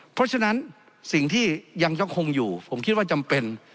เพราะฉะนั้นสิ่งที่ยังยังคงอยู่ผมคิดว่าจำเป็น